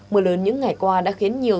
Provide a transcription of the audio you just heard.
mùa lớn những ngày qua đã khiến nhiều